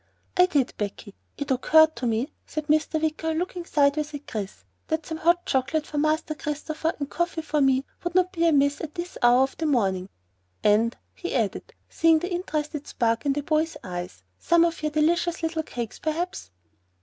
"I did, Becky. It occurred to me," said Mr. Wicker, looking sideways at Chris, "that some hot chocolate for Master Christopher and coffee for me would not be amiss at this hour of the morning. And," he added, seeing the interested spark in the boy's eyes, "some of your delicious little cakes, perhaps?"